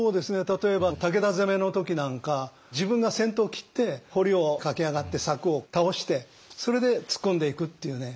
例えば武田攻めの時なんか自分が先頭を切って堀を駆け上がって柵を倒してそれで突っ込んでいくっていうね。